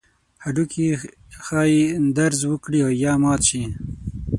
هډوکي ښایي درز وکړي او یا مات شي.